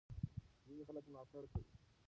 ځینې خلک ملاتړ کوي.